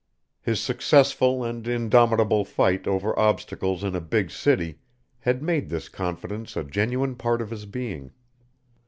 His successful and indomitable fight over obstacles in a big city had made this confidence a genuine part of his being.